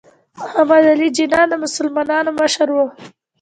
محمد علي جناح د مسلمانانو مشر و.